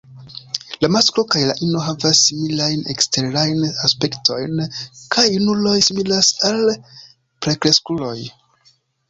La masklo kaj la ino havas similajn eksterajn aspektojn, kaj junuloj similas al plenkreskuloj.